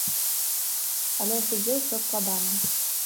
Але ў судзе ўсё складана.